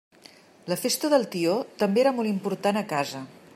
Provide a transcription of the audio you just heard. La festa del tió també era molt important a casa.